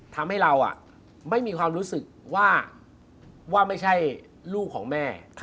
ทำให้เราไม่มีความรู้สึกว่าไม่ใช่ลูกของแม่